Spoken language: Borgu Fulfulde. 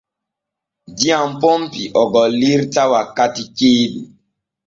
Diyam ponpi o gollirta wakkati ceeɗu.